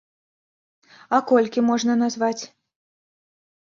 А колькі можна назваць?